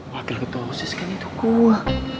wakil ketua osis kan itu gue